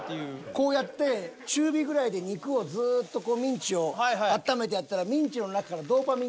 こうやって中火ぐらいで肉をずっとミンチをあっためてやったらミンチの中からドーパミン！？